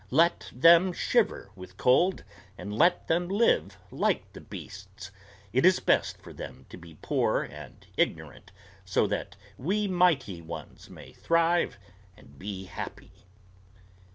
Let them shiver with cold, and let them live like the beasts. It is best for them to be poor and ignorant, that so we Mighty Ones may thrive and be happy."